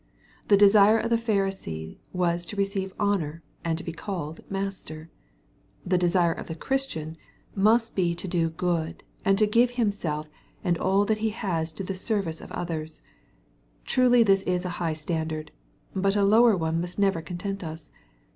The desire of the Pharisee was to receive honor, and to be called " master." The desire of the Christian must be to do good, and to give himself, and all that he has to the service of others. Truly this is a high standard, but a lower one must never content us.